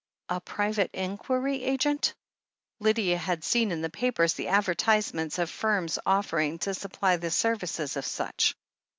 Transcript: A private inquiry agent. ... Lydia had seen in the papers the advertisements of firms offering to supply the services of such.